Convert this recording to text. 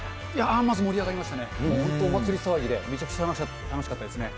まず盛り上がりましたね、本当、お祭り騒ぎでめちゃくちゃ楽しかったですね。